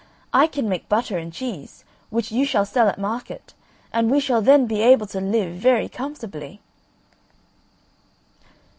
I can make butter and cheese, which you shall sell at market, and we shall then be able to live very comfortably."